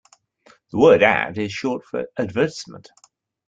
The word ad is short for advertisement